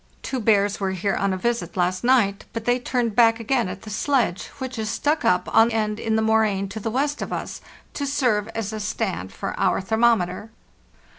Two bears were here on a visit last night, but they turned back again at the sledge, which is stuck up on end in the moraine to the west of us, to serve as a stand for our thermometer."